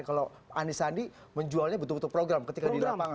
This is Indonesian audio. kalau anies sandi menjualnya betul betul program ketika di lapangan